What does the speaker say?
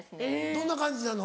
どんな感じなの？